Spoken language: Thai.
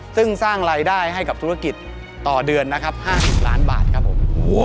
ซึ่งสร้างรายได้ให้กับธุรกิจต่อเดือนนะครับ๕๐ล้านบาทครับผม